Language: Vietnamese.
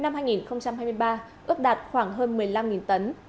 năm hai nghìn hai mươi ba ước đạt khoảng hơn một mươi năm tấn